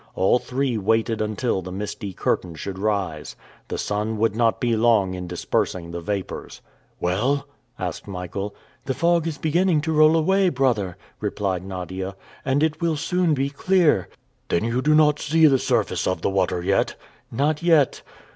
All three waited until the misty curtain should rise. The sun would not be long in dispersing the vapors. "Well?" asked Michael. "The fog is beginning to roll away, brother," replied Nadia, "and it will soon be clear." "Then you do not see the surface of the water yet?" "Not yet."